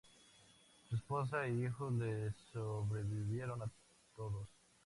Su esposa e hijos le sobrevivieron todos.